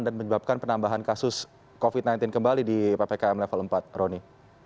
dan menyebabkan penambahan kasus covid sembilan belas kembali di ppkm level empat roni